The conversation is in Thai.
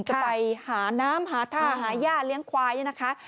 จะไปหาน้ำหาท่าหาย่าเลี้ยงควายเนี่ยนะคะ